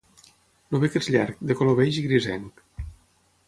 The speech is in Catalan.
El bec és llarg, de color beix grisenc.